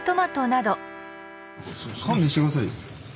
勘弁して下さいよ。